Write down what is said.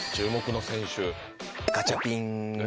ガチャピン？